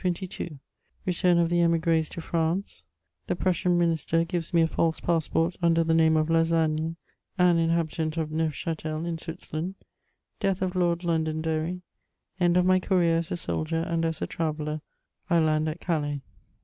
BETU&N OF THE EHIOK^S TO FBANCE — THE PRUSSIAN UINISTER GIVES ME A FALSE PASSPORT UNDER THE KAME OF LA8SAGNE, AX IKHA BITANT OP mSUFCHATEL, IK SWITZERLAND — DEITH OF LORD IX>N DONDBRRT — END OF HT CAREER AS A SOLDIER AND AS A TRATBIXER I LAND AT CALAIS.